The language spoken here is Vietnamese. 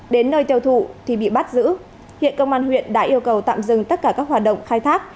đến nơi tiêu thụ thì bị bắt giữ hiện công an huyện đã yêu cầu tạm dừng tất cả các hoạt động khai thác